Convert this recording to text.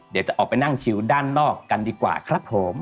เดี๋ยวจะออกไปนั่งชิวด้านนอกกันดีกว่าครับผม